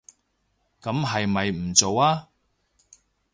噉係咪唔做吖